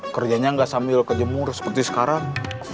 kerjanya nggak sambil kejemur seperti sekarang